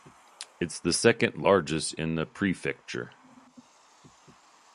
It is the second largest in the prefecture.